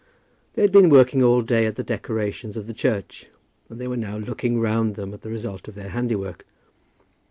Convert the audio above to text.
They had been working all day at the decorations of the church, and they were now looking round them at the result of their handiwork.